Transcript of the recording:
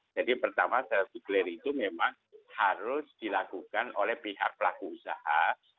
jadi pertama self declare itu memang harus dilakukan oleh pihak pelaku usaha